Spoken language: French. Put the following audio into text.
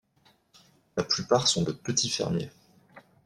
La plupart sont de petits fermiers.